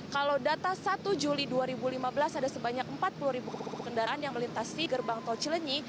kalau data satu juli dua ribu lima belas ada sebanyak empat puluh ribu kendaraan yang melintasi gerbang tol cilenyi